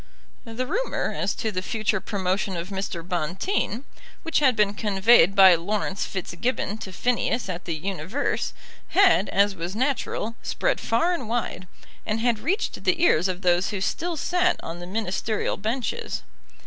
The rumour as to the future promotion of Mr. Bonteen, which had been conveyed by Laurence Fitzgibbon to Phineas at the Universe, had, as was natural, spread far and wide, and had reached the ears of those who still sat on the Ministerial benches.